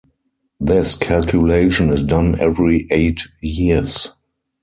This calculation is done every eight years.